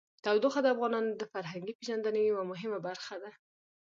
تودوخه د افغانانو د فرهنګي پیژندنې یوه مهمه برخه ده.